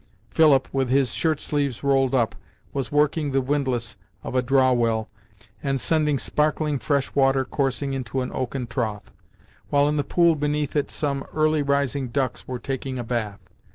Philip, with his shirt sleeves rolled up, was working the windlass of a draw well, and sending sparkling fresh water coursing into an oaken trough, while in the pool beneath it some early rising ducks were taking a bath.